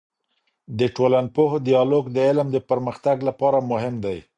د ټولنپوه ديالوګ د علم د پرمختګ لپاره مهم دی.